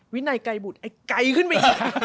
วินัยไกลบุตรไกลขึ้นไป